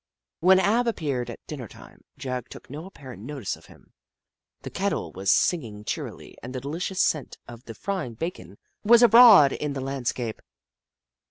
When Ab appeared at dinner time, Jagg took no apparent notice of him. The kettle was singing cheerily and the delicious scent of the frying bacon was abroad in the land scape.